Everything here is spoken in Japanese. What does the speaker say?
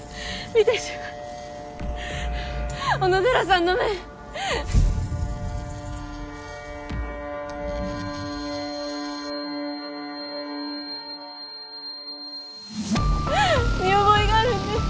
見覚えがあるんです！